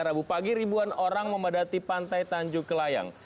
rabu pagi ribuan orang memadati pantai tanjung kelayang